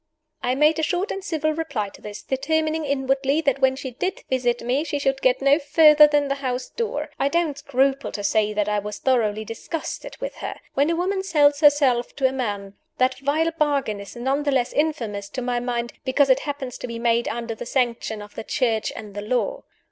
I made a short and civil reply to this; determining inwardly that when she did visit me she should get no further than the house door. I don't scruple to say that I was thoroughly disgusted with her. When a woman sells herself to a man, that vile bargain is none the less infamous (to my mind) because it happens to be made under the sanction of the Church and the Law.